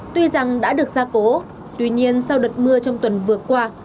tuy rằng đã được gia cố tuy nhiên sau đợt mưa trong tuần vừa qua